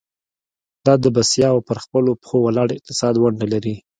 دا د بسیا او پر خپلو پخو ولاړ اقتصاد ونډه لري.